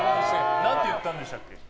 何て言ったんでしたっけ？